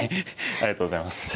ありがとうございます。